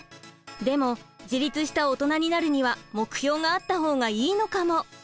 でも自立したオトナになるには目標があった方がいいのかも。